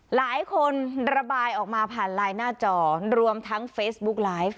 หลายคนระบายออกมาผ่านไลน์หน้าจอรวมทั้งเฟซบุ๊กไลฟ์